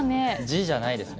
字じゃないです